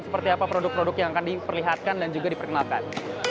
seperti apa produk produk yang akan diperlihatkan dan juga diperkenalkan